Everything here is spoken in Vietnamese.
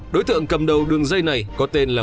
đối tượng cầm đầu đường dây này có tên là